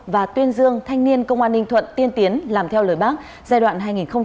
và tuyên dương thanh niên công an ninh thuận tiên tiến làm theo lời bác giai đoạn hai nghìn một mươi sáu hai nghìn hai mươi